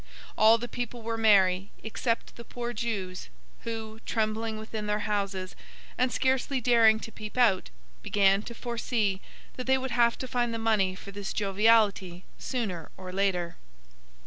All the people were merry except the poor Jews, who, trembling within their houses, and scarcely daring to peep out, began to foresee that they would have to find the money for this joviality sooner or later.